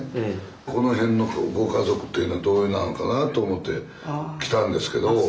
この辺のご家族というのはどういうなんかなと思って来たんですけど。